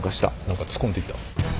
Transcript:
何か突っ込んでいった。